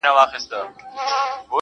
اورونه دې دستي، ستا په لمن کي جانانه~